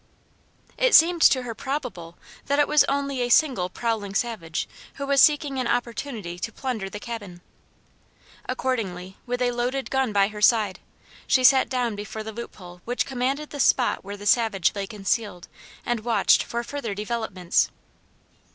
It seemed to her probable that it was only a single prowling savage who was seeking an opportunity to plunder the cabin. Accordingly with a loaded gun by her side, she sat down before the loop hole which commanded the spot where the savage lay concealed and watched for further developments.